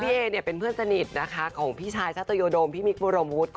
พี่เอ๋เป็นเพื่อนสนิทของพี่ชายสตโดมพี่มิคหมูลมู๊ด